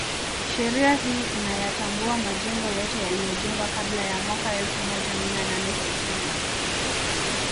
Sheria hii inayatambua majengo yote yaliyojengwa kabla ya mwaka elfu moja Mia nane sitini